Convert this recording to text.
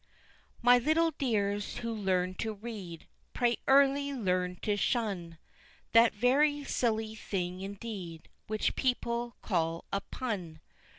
My little dears who learn to read, pray early learn to shun That very silly thing indeed, which people call a pun.